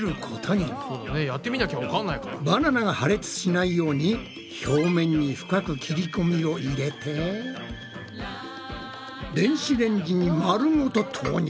バナナが破裂しないように表面に深く切り込みを入れて電子レンジに丸ごと投入！